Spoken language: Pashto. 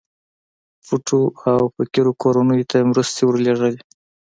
پټو او فقيرو کورنيو ته يې مرستې ورلېږلې.